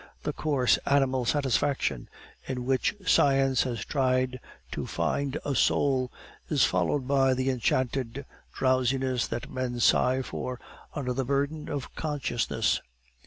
The coarse animal satisfaction, in which science has tried to find a soul, is followed by the enchanted drowsiness that men sigh for under the burden of consciousness.